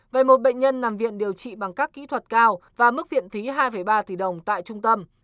về một bệnh nhân nằm viện điều trị bằng các kỹ thuật cao và mức viện phí hai ba tỷ đồng tại trung tâm